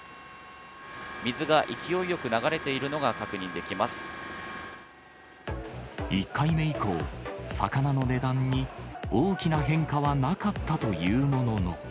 水が勢いよく流れているのが１回目以降、魚の値段に大きな変化はなかったというものの。